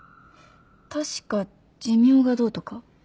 確か寿命がどうとか？